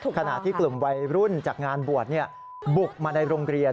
ขณะที่กลุ่มวัยรุ่นจากงานบวชบุกมาในโรงเรียน